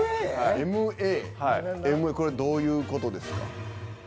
ＭＡこれどういう事ですか？